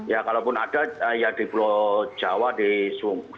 ya kalau pun ada ya di pulau jawa di sungai